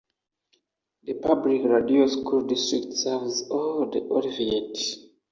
The public Ladue School District serves all of Olivette.